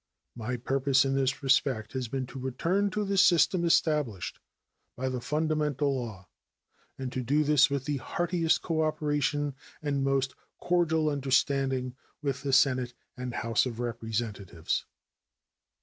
My purpose in this respect has been to return to the system established by the fundamental law, and to do this with the heartiest cooperation and most cordial understanding with the Senate and House of Representatives.